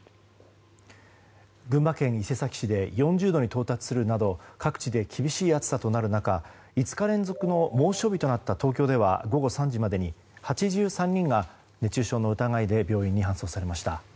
群馬県伊勢崎市で４０度に到達するなど各地で厳しい暑さとなる中５日連続の猛暑日となった東京では、午後３時までに８３人が熱中症の疑いで病院に搬送されました。